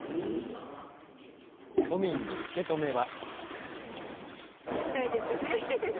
都民の受け止めは。